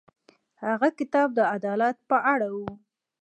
هغه کتاب د عدالت په اړه و.